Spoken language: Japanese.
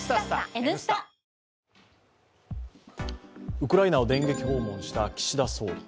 ウクライナを電撃訪問した岸田総理。